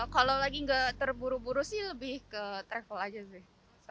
kalau lagi nggak terburu buru sih lebih ke travel aja sih